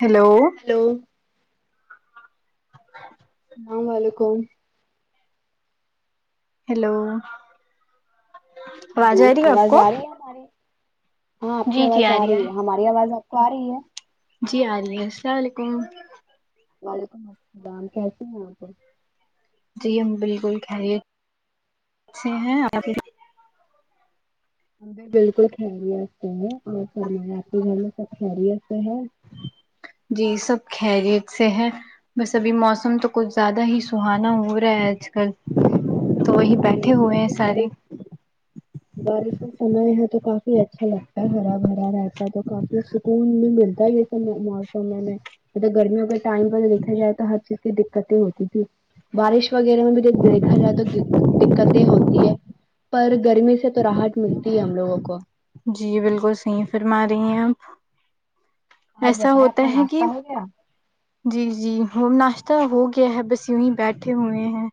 Hello hello اللام و علیکم ہیلو ہیلو آواز آ رہی ہے آپ آواز کو آ رہی ہے ہماری ہاں آپ کی آواز آ رہی ہے ہماری آواز آپ کو آ رہی ہے جی آ رہی ہے السلام علیکم وعلیکم السلام کیسے ہیں آپ جی ہم بالکل خیریت سے ہیں آ ہم بھی بالکل خیریت سے ہے اور فرماے آپ کے گھر میں سب خیریت سے ہے جی سب خیریت سے ہے بس ابھی موسم تو کچھ زیادہ ہی سہانا ہو رہا ہے آج کل تو وہی بیٹھے بالکل ہوئے اب ہیں تو سارے بارش بارش کا سمے ہے تو کافی اچھا لگتا ہے ہرا بھرا رہتا ہے تو کافی سکون بھی ملتا ہے یہ مو موسم میں مطلب گرمیوں ٹائم پر دیکھا جائے تو ہر چیز کی دقتیں ہوتی تھی بارش وغیرہ میں بھی جب دیکھا جائے تو دقتے ہوتی ہے پر گرمی سے تو راحت ملتی ہے ہم لوگوں کو جی بلکل سہی فرما رہی ہیں آپ اور ایسا بتائیں آپ ہوتا کا ہے کہ ناشتہ ہو گیا جی جی وہ ناشتہ ہو گیا ہے بس یوں ہی بیٹھے ہوئے ہیں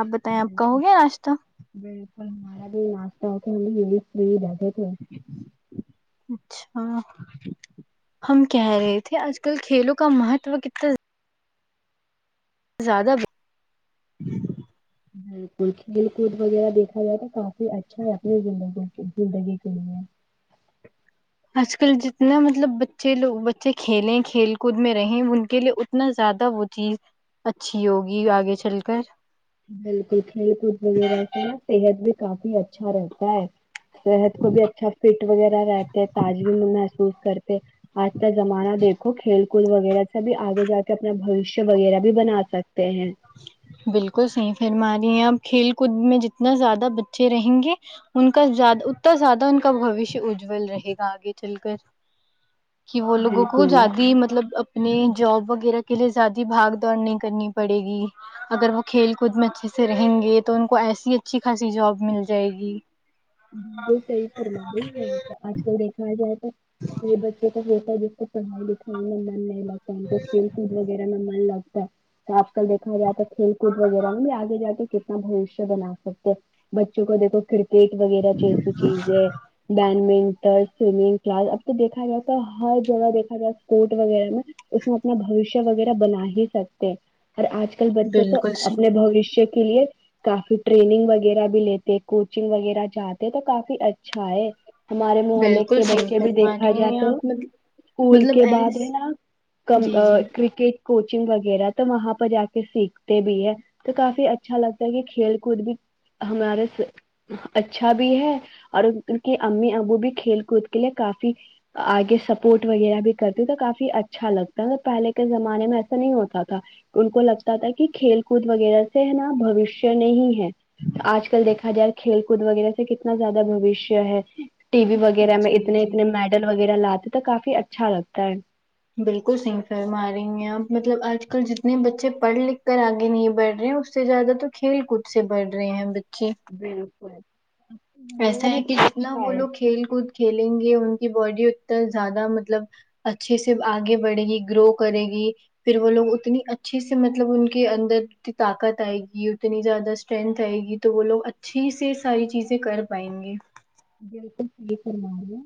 آپ بتائیں آپ کا ہو گیا ناشہ بلکل ہمارا بھی ناشتہ ہو تو ہم بھی یہی فری بیٹھے تھے اچھا ہم کہہ رہے تھے آج کل کھیلوں کا مہاتوے کتنا زیادہ بلکل کھیل کود وغیرہ دیکھا جائے تو کافی اچھا ہے اپنی زندگ زندگی کے لیے آج کل جتنا مطلب بچے لوگ بچے کھیلیں کھیل کود میں رہے ان کے لیے اتنا زیادہ وہ چیز اچھی ہوگی آگے چل کر بلکل کھیل کود وغیرہ س نا صحت بھی کافی اچھا رہتا ہے صحت کو بھی اچھا فٹ وغیرہ رہتے تازگی میں محسوس کرتے آج کا زمانہ دیکھو کھیل بلکل وغیرہ سبھی آگے جا کے اپنا بھشیہ وغیرہ بھی بنا سکتے ہیں بلکل سہی فر مارہی ہے اپ کھیل کود میں جتنا زیادہ بچے رہیں گے ان کا زدہ اتنا زیادہ ان کا بوشیہ اجل رہے گا آگے چل کر کہ وہ لوگوں کو بالکل زیادہ مطلب اب اپ جاب وغیرہ کے لیے زیادہ بھاگ دوڑ نہیں کرنی پڑے گی اگر وہ کھیل کود میں اچھے سے رہیں گے تو ان کو ایسی اچھی خاصی جاب مل جائے گی بلکل سہی فرما رہی ہو آج کل دیکھا جائے تو یہے بچوں کا ہوتا ہے جس کو پڑھائی لکھائی من نہیں لگتا ہم کو کھیل کود وغیرہ نہ من لگتا آج کل دیکھا جاتا ہے کھیل کود وغیرہ میں بھی آگے جا کے کتنا بوشیہ بنا سکتے بچوں کو دیکھو کرکٹ وغیرہ جیسی چیز ہے بیڈمنٹن سومنگ کلاس اب تو دیکھا جائے تو ہر جگہ دیکھا جائے اسپورٹ وغیرہ میں اس میں اپنا بوشیہ وغیرہ بنا ہی سکتے اور آج کل بچے تو بالکل صحیح اپنے بوشیہ کے لیے کافی ٹریننگ وغیرہ بھی لیتے ہیں کوچنگ وغیرہ جاتے تو کافی اچھا ہے ہمارے محلے بالکل کے صحیح بچے بھی فرما رہی دیکھا جائے ہیں تو آپ مطلب اسکول مطلب کے ایس بعد ہے نا کا جی جی کرکٹ کوچنگ وغیرہ تو وہاں پر جا کے سیکھتے بھی ہیں تو کافی اچھا لگتا ہے کہ کھیل کود بھی ہمارے اچھا بھی ہے اور ان کی امی ابو بھی کھیل کود کے لیے کافی آگے سپورٹ وغیرہ بھی کرتی تو کافی اچھا لگتا ہے پہلے کے زمانے میں ایسا نہیں ہوتا تھا ان کو لگتا تھا کہ کھیل کود وغیرہ سے ہے نا بوشیہ نہیں ہے آج کل دیکھا جائے کھیل خود وغیرہ سے کتنا زیادہ بوشیہ ہے ٹی وی وغیرہ میں جی اتنے جی اتنے مے وغیرہ لاتے تو کافی اچھا لگتا ہے بالکل سہی فرما رہی ہیں آپ مطلب آج کل جتنے بچے پڑھ لکھ کر آگے نہیں بڑھ رہے سب سے زیادہ تو کھیل کود سے بڑھ رہے ہیں بچے بلکل ایسا ہے کہ جتنا وہ لوگ کھیل کود کھیلیں گے ان کی باڈی اتنا زیادہ مطلب اچھے سے آگے بڑھے گی گرو کرے گی پھر وہ لوگ اتنی اچھے سے مطلب ان کے اندر طاقت آئے گی اتنی زیادہ اسٹرینتھ آئے گی تو وہ لوگ اچھی سے ساری چیزیں کر پائیں گے بلکل ٹھیک فرما رہی ہو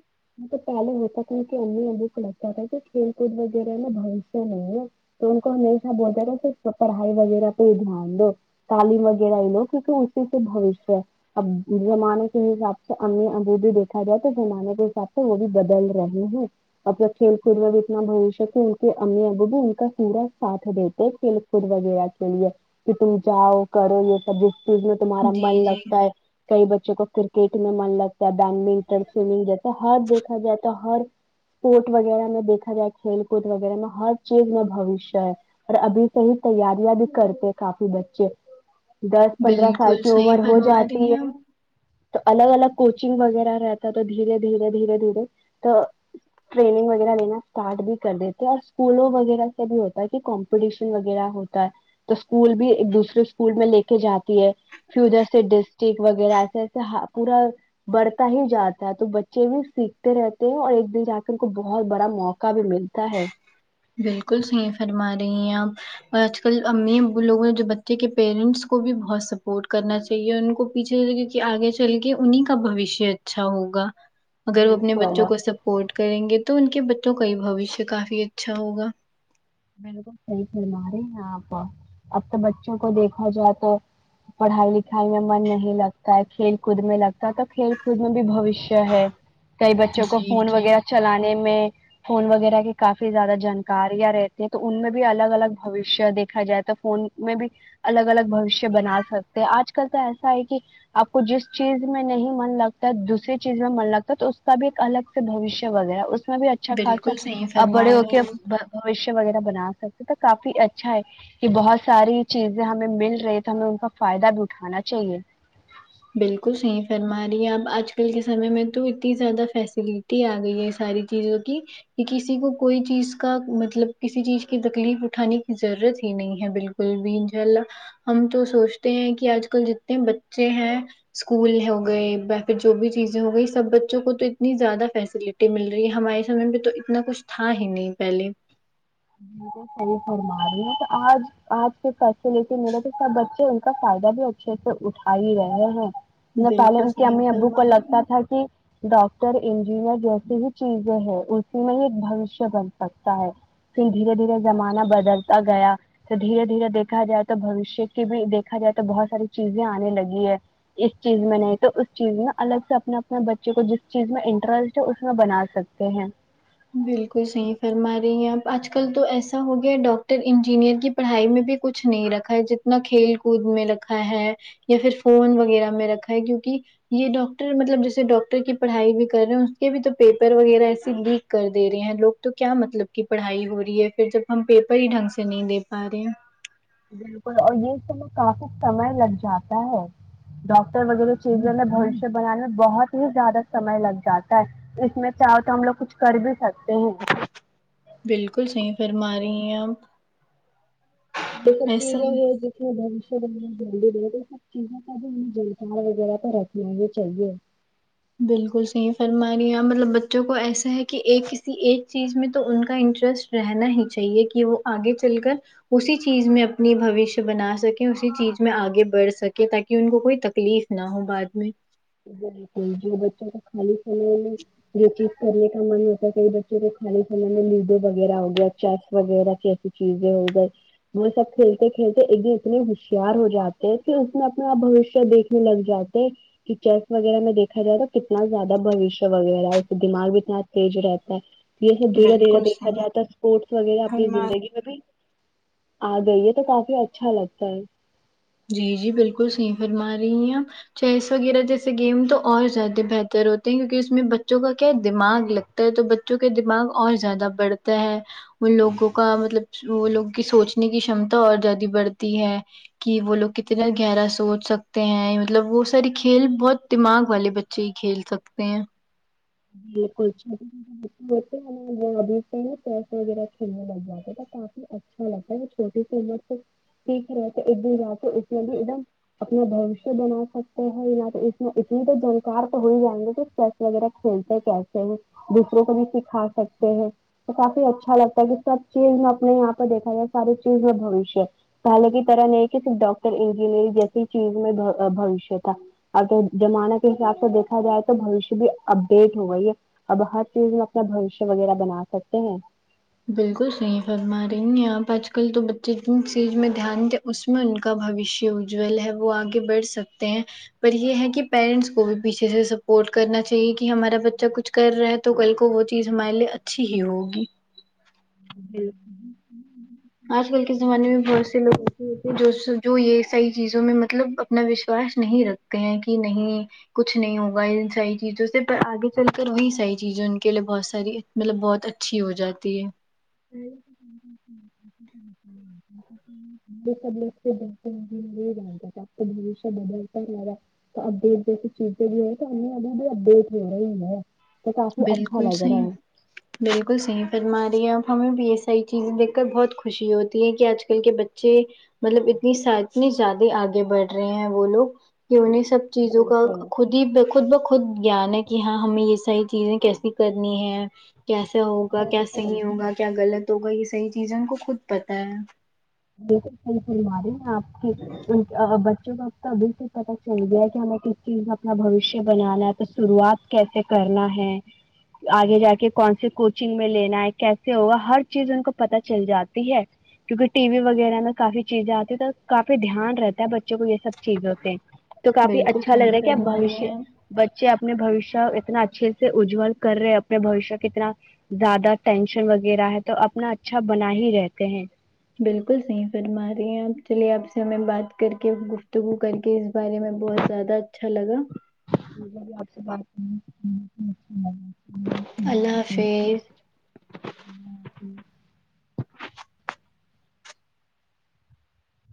تو پہلے ہوتا کیونکہ امی ابو کو لگتا تھا کہ کھیل کود وغیرہ میں بوشیہ نہیں ہے تو ان کو ہمیشہ بولتا تھا صرف پڑھائی وغیرہ پہ ہی دھیان دو تعلیم وغیرہ ہے لو کیونکہ اسی سے بھوشیہ ہے اب اس زمانے کے حساب تو امی ابو بھی دیکھا جائے تو زمانے کے حساب سے وہ بھی بدل رہے ہیں اپنا کھیل کود میں بھی اتنا بھوشیہ کہ ان کے امی ابو بھی ان کا پورا ساتھ دیتے کھیل کود وغیرہ کے لیے کہ تم جاؤ کرو یہ سب جس چیز میں تمہارا جی من جی لگتا ہے کئی بچوں کو کرکٹ من لگتا ہے بیڈمنٹن سومنگ جیسا ہر دیکھا جائے تو ہر اسپورٹ وغیرہ میں دیکھا جائے کھیل کود وغیرہ میں ہر چیز میں بھوشیہ ہے اور ابھی سے ہی تیاریاں بھی کرتے کافی بچے دس پندرہ سال بالکل کی صحیح عمر ہو فرما رہی جاتی ہیں ہے آپ تو الگ الگ کوچنگ وغیرہ رہتا تو دھیرے دھیرے دھیرے دھیرے تو ٹریننگ وغیرہ لینا اسارٹ بھی کر دیتے اور اسکولوں وغیرہ سے بھی ہوتا ہے کہ کو شن وغیرہ ہوتا ہے تو اسکول بھی ایک دوسرے اسکول میں لے کے جاتی ہے پھر جیسے ڈسٹک وغیرہ ایسے ایسے پورا بڑھتا ہی جاتا ہے تو بچے بھی سیکھتے رہتے ہیں اور ایک دن جا کے ان کو بہت بڑا موقع کا بھی ملتا ہے بالکل صحیح فرما رہی ہیں آپ اور آج کل امی ابو لوگ ہیں بچے کے پیرنٹس کو بھی بہت سپورٹ کرنا چاہیے تو یہ ان کو پیچھے کیکہ آگے چل کے انہیں کا بھوشیہ اچھا ہوگا اگر وہ اپنے بالکل بچوں کو سپورٹ کریں گے تو ان کے بچوں کا ہی بھوشیہ کافی اچھا ہوگا بالکل صحیح فرما رہے ہیں آپ اب تو بچوں کو دیکھا جائے تو پڑھائی لکھائی میں من نہیں لگتا ہے کھیل کود میں لگتا ہے تو کھیل کود میں بھی بھوشیہ ہے کئی بچوں کو جی فون جی وغیرہ چلانے میں فون وغیرہ کی کافی زیادہ جانکاریاں رہتی تو ان میں بھی الگ الگ بھوشیہ دیکھا جائے تو فون میں بھی الگ الگ بھشیہ بنا سکتے آج کل تو ایسا ہے کہ آپ کو جس چیز میں نہیں من لگتا دوسری چیز میں من لگتا ہے تو اس کا بھی ایک الگ بھوشیہ وغیرہ اس میں بھی اچھا خاصا بالکل صحیح فرما بڑے رہی ہو ہیں کے آپ۔ ب وغیرہ بنا سکتے ہیں تو کافی اچھا ہے یہ بہت ساری چیزیں ہمیں مل رہی تو ہمیں ان کا فائدہ بھی اٹھانا چاہیے بالکل صحیح فرما رہی ہے اب آج کل کے سمے میں تو اتنی زیادہ فیسلی تی آ گئی ہے ساری چیزوں کی کہ کسی کو کوئی چیز کا مطلب کسی چیز کی تکلیف اٹھانے کی ضرورت ہی نہیں ہے بالکل کل بھی انشاء اللہ ہم تو سوچتے ہیں کہ آج کل جتنے بچے ہیں اسکول ہو گئے یا پھر جو بھی چیزیں ہو گئی سب بچوں کو تو اتنی زیادہ فیسلٹی مل رہی ہے ہمارے سمے میں تو اتنا کچھ تھا ہی نہیں پہلے بالکل صحیح فرما رہی ہیں تو آج آج کی فیسلٹی ملے تو سب بچے ان کا فائدہ بھی اچھے سے اٹھا ہی رہے ہیں میں پہلے بالکل ان کے صحیح امی ابو فرما کو رہی ہیں لگتا تھا کہ ڈاکٹر انجینئر جیسی ہی چیزیں ہے اس میں ایک بھوشیہ بن سکتا ہے پھر دھیرے دھیرے زمانہ بدلتا گیا تو دھیرے دھیرے دیکھا جائے تو بوشیہ کی بھی دیکھا جائے تو بہت ساری چیزیں آنے لگی ہے اس چیز میں نہیں تو اس چیز میں الگ سے اپنے اپنے بچوں کو جس چیز میں انٹرسٹ ہے اس میں بنا سکتے تے ہیں بالکل صحیح فرما رہی ہیں آپ آج کل تو ایسا ہو گیا ڈاکٹر انجینئر کی پڑھائی میں بھی کچھ نہیں رکھا ہے جتنا کھیل کود میں رکھا ہے یا پھر فون وغیرہ میں رکھا ہے کیونکہ یہ ڈاکٹر مطلب جیسے ڈاکٹر کی پڑھائی بھی کر رہے ہیں اس کے بھی تو پیپر وغیرہ ایس لیک کر دے رہے ہیں لوگ تو کیا مطلب کہ پڑھائی ہو رہی ہے پھر جب ہم پیپر ہی ڈھنگ سے نہیں دے پا رہے ہیں بالکل اور یہ سب میں کافی سمے لگ جاتا ہے ڈاکٹر وغیرہ چیزوں میں بوشیہ بنانے میں بہت ہی زیادہ سمئے لگ جاتا ہے اس میں چاہو تو ہم لوگ کچھ کر بھی سکتے ہیں بالکل صحیح فرمارہی ہیں آپ یہ سب ایسا چیزے ہو گی [unintelligible] تو سب چیز کا ہمیں جلکار وغیرہ تو رکھ چاہیے بالکل صحیح فرمارہے مطلب بچوں کو ایسا ہے کہ ایک کسی ایک چیز میں تو ان کا انٹرسٹ رہنا ہی چاہیے کہ وہ آگے چل کر اسی چیز میں اپنی بوشیہ بنا سکیں اسی چیز میں آگے بڑھ سکے تاکہ ان کو کوئی تکلیف نہ ہو بعد میں بالکل جو بچوں کا خالی سمے میں جو چیز کرنے کا من ہوتا ہے کئی بچوں کو خالی سمے میں لوڈو وغیرہ ہو گیا چیس وغیرہ کیسی چیزے ہوگی وہ سب کھیلتے کھیلتے ایک دن اتنے ہوشیار ہو جاتے ہیں کہ اس میں اپنا بوشیہ دیکھ پھر لگ جاتے کہ چیس وغیرہ میں دیکھاائے تو کتنا زیادہ بوشیہ وغیرہ ہے اس کا دماغ بھی اتنا تیز رہتا ہے یہ سب دھیرا دھیرا بالکل دیکھا صحیح جایے تو اسپورٹس وغیرہ اپنی زندگی ابھی آ گئی ہے تو کافی اچھا لگتا ہے جی جی بالکل صحیح فرما رہی ہیں آپ چیس وغیرہ جیسے گیم تو اور زیادہ بہتر ہوتے ہیں کیونکہ اس میں بچوں کا کیا دماغ لگتا تو بچوں کے دماغ اور زیادہ بڑھتا ہیں ان لوگوں کا مطلب وہ لوگوں کی سوچنے کی شمتا اور زیادہ بڑھتی ہے کہ وہ لوگ کتنا گہرا سوچ سکتے ہیں مطلب وہ سارے کھیل بہت دماغ والے بچے ہی کھیل سکتے تے ہیں بالکل ہو وہ ابھی سے ہی نا پیسے وغیرہ کھیلنے لگ جاتے تو کافی اچھا لگتا ہے چھوٹی سی عمر تو ٹھیک ہی رہ تو ادر کے اس ہی ایک دم اپنا بوشیہ بنا سکتے ہیں نہ تو اس میں اتنی تو جانکار تو ہو ہی جائیں گے کہ چیس وغیرہ کھیل وہ کیسے ہیں دوسروں کو بھی سکھا سکتے ہیں تو کافی اچھا لگتا ہے کہ سب چیز میں اپنے یہاں پہ دیکھا جائے ساری چیز میں بھشیہ حالک کی طرح نہیں کہ صرف ڈاکٹر انجینئرگ جیسے ہی چیز میں بوشیہ تھا اگر زمانہ کے حساب سے دیکھا جائے تو بوشیہ بھی اب لیٹ ہو گئی یہ اب ہر چیز میں اپنا بوشیہ وغیرہ بنا سکتے ہیں بالکل صحیح فرما رہی ہیں آپ آج کل تو بچے جن چیز میں دھیان اس میں ان کا بوشیہ اجل ہے وہ آگے بڑھ سکتے ہیں پر یہ ہے کہ پیرنٹس کو بھی پیچھے سے سپورٹ کرنا چاہیے کہ ہمارا بچہ کچھ کر رہے تو کل کو وہ چیز ہمارے لیے اچھی ہی ہوگی جی آج کل کے زمانے میں بہت سے لوگ ایسے ہوتے ہیں جو جو یہ صحیح چیزوں میں مطلب اپنا وشواس نہیں رکھتے ہیں کہ نہیں کچھ نہیں ہوگا ان ساری چیزوں سے پر آگے چل کر وہیں ساری چیزیں ان کے لیے بہت ساری مطلب بہت اچھی ہو جاتی ہے [inaudible] تو اپڈیٹ جس چیز بھی ہے کرنی وال بھی اپڈیٹ جو رہا ہی ہے تو کافی اچھا بالکل لگ رہا صحیح ہے بالکل صحیح فرما رہی ہے اب ہمیں بھی یہ ساری چیزیں دیکھ کر بہت خوشی ہوتی ہے کہ آج کل کے بچے مطلب اتنی اتنے زیادہ آگے بڑھ رہے ہیں وہ لوگ کہ انہیں سب چیزوں کا بالکل خود ہی خود بخود گیان ہے کہ ہاں ہمیں یہ ساری چیزیں کیسی کرنی ہے کیسا ہوگا کیا بالکل صحیح ہوگا کیا غلط تو ہوگا یہ صحیح چیزیں ان کو خود پتہ ہے بالکل صحیح فرما رہی ہیں آپ بچوں کا اب تو ابھی سے پتہ چل گیا ہے کہ ہمیں کس چیز میں اپنا بھوشیہ بنانا ہے تو شروعات کیسے کرنا ہے آگے جا کے کون سے کوچنگ میں لینا ہے کیسے ہوگا ہر چیز ان کو پتا چل جاتی ہے کیونکہ ٹی وی وغیرہ میں کافی چیزیں آتی ہے تو کافی دھیان رہتا ہے بچوں کو یہ سب چیزوں سے تو کافی بالکل اچھا لگ صحیح رہا ہے کیا اب فرما رہی بھوشیے ہیں آپ بچے اپنے بوشیہ اتنا اچھے سے اجل کر رہے ہیں اپنے بوشیہ کے اتنا زیادہ ٹینشن وغیرہ ہے تو اپنا اچھا بنا ہی رہتے ہیں بالکل صحیح فرما رہی ہیں آپ چلیے آپ سے ہمیں بات کر کے گفتگو کر کے کہ اس بارے میں بہت زیادہ اچھا لگا مجھے بھی اپ سے بات کر کے اچھا لگا اللہ حافظ جی